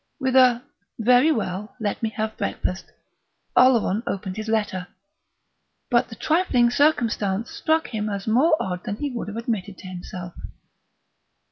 With a "Very well let me have breakfast," Oleron opened his letter; but the trifling circumstance struck him as more odd than he would have admitted to himself.